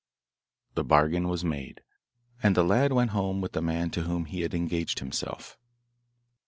The bargain was made, and the lad went home with the man to whom he had engaged himself.